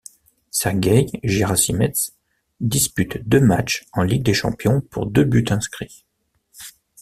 Sergueï Gerasimets dispute deux matchs en Ligue des champions, pour deux buts inscrits.